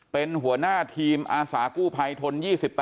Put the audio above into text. เป็นหัวหน้าทีมอาสากู้ภัยทน๒๘